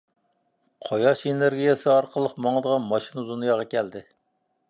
قۇياش ئېنېرگىيەسى ئارقىلىق ماڭىدىغان ماشىنا دۇنياغا كەلدى.